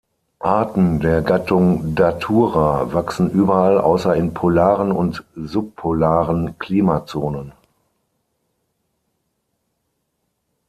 Arten der Gattung "Datura" wachsen überall außer in polaren und subpolaren Klimazonen.